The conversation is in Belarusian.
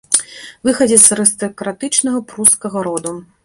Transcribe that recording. Выхадзец з арыстакратычнага прускага роду.